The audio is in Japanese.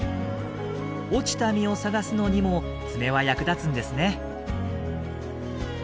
落ちた実を探すのにも爪は役立つんですね。